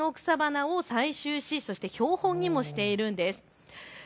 ですので渋谷の草花を採集しそして標本にもしているんです。